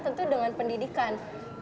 tentu dengan pendidikan